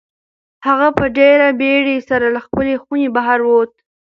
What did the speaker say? هغه په ډېرې بېړۍ سره له خپلې خونې بهر ووت.